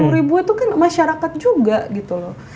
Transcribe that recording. sepuluh ribu itu kan masyarakat juga gitu loh